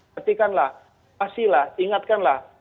perhatikanlah pastilah ingatkanlah